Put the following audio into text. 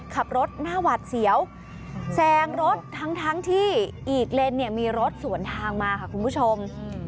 ขับรถหน้าหวัดเสียวแซงรถทั้งที่อีกเลนเนี่ยมีรถสวนทางมาค่ะคุณผู้ชม